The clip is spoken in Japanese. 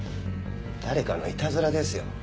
誰かのいたずらですよ。